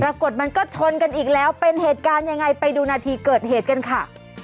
ปรากฏมันก็ชนกันอีกแล้วเป็นเหตุการณ์ยังไงไปดูนาทีเกิดเหตุกันค่ะ